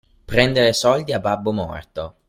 Prendere soldi a babbo morto.